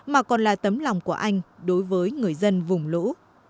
mà còn là tấm lòng của anh đối với người dân vùng lũ